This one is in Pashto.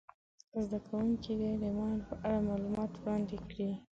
زده کوونکي دې د ماین په اړه معلومات وړاندي کړي.